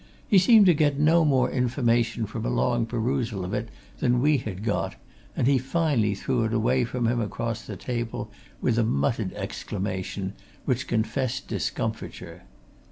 He seemed to get no more information from a long perusal of it than we had got, and he finally threw it away from him across the table, with a muttered exclamation which confessed discomfiture.